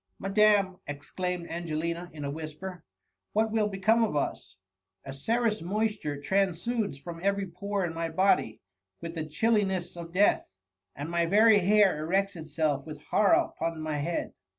madam !^ exclaimed Ange* lina, in a whisper, ^^ what will become of us f A serous moisture transudes from every pore in my body with the chilliness of death, and my TH£ MUMMY. 301 very hair erects itself with horror upon my head.'